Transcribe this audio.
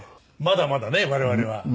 まだまだね我々は。